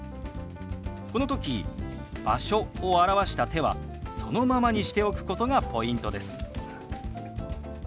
この時「場所」を表した手はそのままにしておくことがポイントです。